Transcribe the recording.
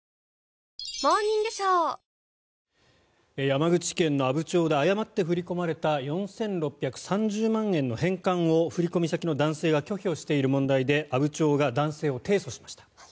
山口県の阿武町で誤って振り込まれた４６３０万円の返還を振込先の男性が拒否をしている問題で阿武町が男性を提訴しました。